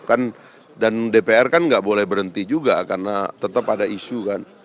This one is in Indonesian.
kan dan dpr kan nggak boleh berhenti juga karena tetap ada isu kan